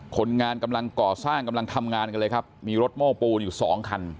คนงานกำลังก่อสร้างกำลังทำงานกันเลยครับมีรถโม้ปูนอยู่สองคัน